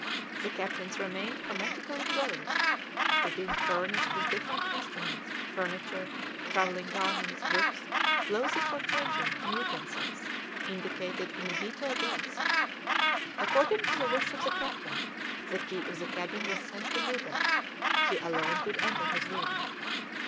The captain's remained hermetically closed, after being furnished with different instruments, furniture, travelling garments, books, clothes for changing, and utensils, indicated in a detailed list. According to the wish of the captain, the key of the cabin was sent to Lubeck; he alone could enter his room.